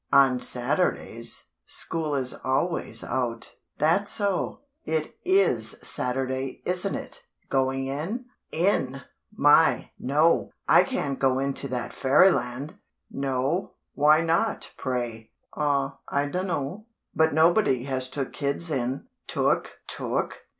"On Saturdays, school is always out." "That's so; it is Saturday, isn't it? Going in?" "In!! My, no! I can't go into that fairyland!" "No? Why not, pray?" "Aw! I dunno; but nobody has took kids in." "Took? Took?